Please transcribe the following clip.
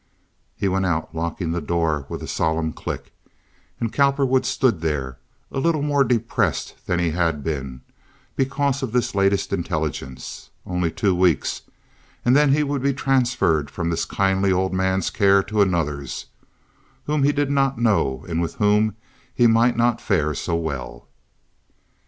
He went out, locking the door with a solemn click; and Cowperwood stood there, a little more depressed than he had been, because of this latest intelligence. Only two weeks, and then he would be transferred from this kindly old man's care to another's, whom he did not know and with whom he might not fare so well.